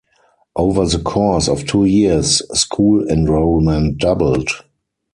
Over the course of two years, school enrollment doubled.